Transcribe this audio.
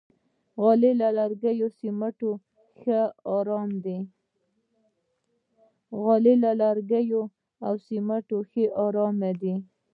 غالۍ له لرګیو یا سمنټو ښه آرام دي.